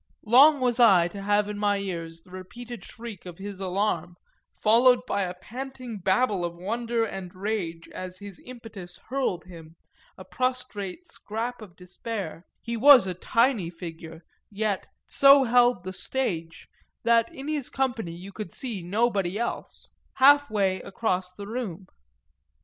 Long was I to have in my ears the repeated shriek of his alarm, followed by a panting babble of wonder and rage as his impetus hurled him, a prostrate scrap of despair (he was a tiny figure, yet "so held the stage" that in his company you could see nobody else) half way across the room.